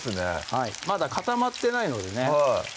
はいまだ固まってないのでね